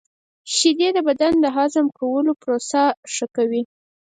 • شیدې د بدن د هضم کولو پروسه ښه کوي.